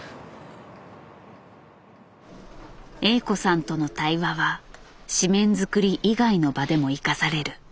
Ａ子さんとの対話は誌面作り以外の場でも生かされる。